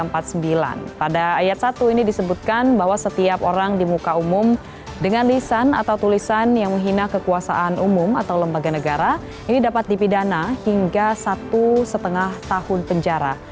pada ayat satu ini disebutkan bahwa setiap orang di muka umum dengan lisan atau tulisan yang menghina kekuasaan umum atau lembaga negara ini dapat dipidana hingga satu lima tahun penjara